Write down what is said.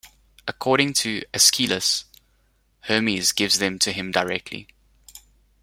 According to Aeschylus, Hermes gives them to him directly.